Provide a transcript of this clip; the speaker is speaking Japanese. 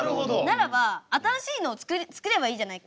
ならば新しいのを作ればいいじゃないか。